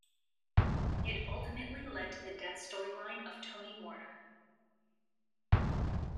It ultimately led to the death storyline of Toni Warner.